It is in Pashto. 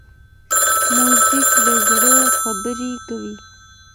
موزیک له زړه خبرې کوي.